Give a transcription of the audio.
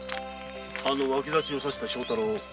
あの脇差を差した庄太郎を。